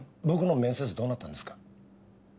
僕の面接どうなったんですか？